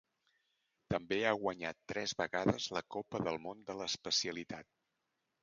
També ha guanyat tres vegades la Copa del Món de l'especialitat.